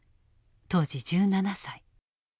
当時１７歳。